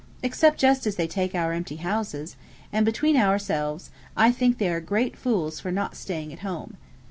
Except just as they take our empty houses, and (between ourselves) I think they are great fools for not staying at home.